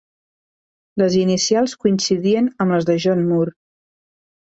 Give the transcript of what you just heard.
Les inicials coincidien amb les de John Moore.